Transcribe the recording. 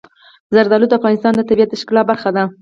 زردالو د افغانستان د طبیعت د ښکلا برخه ده.